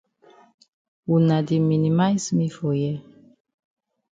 Wuna di minimize me for here.